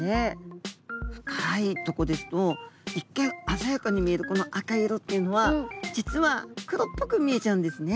深いとこですと一見鮮やかに見えるこの赤い色っていうのは実は黒っぽく見えちゃうんですね。